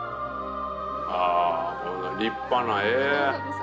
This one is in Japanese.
あ立派な絵。